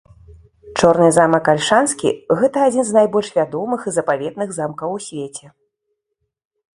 Чорны замак Альшанскі - гэта адзін з найбольш вядомых і запаветных замкаў у свеце.